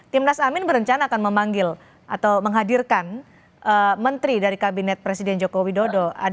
timnas amin berencana akan memanggil atau menghadirkan menteri dari kabinet presiden joko widodo